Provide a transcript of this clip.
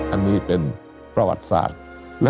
อันนี้เป็นประวัติศาสตร์